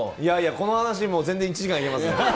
この話、全然１時間いけます